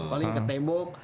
paling ke tebok